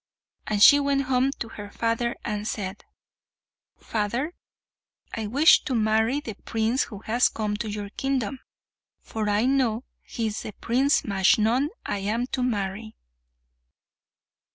And she went home to her father and said, "Father, I wish to marry the prince who has come to your kingdom; for I know he is the Prince Majnun I am to marry."